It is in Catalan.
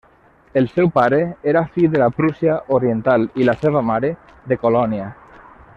El seu pare era fill de la Prússia Oriental i la seva mare, de Colònia.